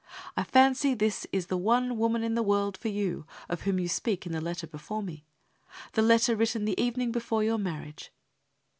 I fancy this is the "one woman in the world for you," of whom you speak in the letter before me the letter written the evening before your marriage.